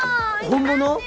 本物？